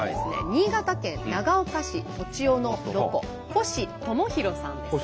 新潟県長岡市栃尾のロコ星知弘さんです。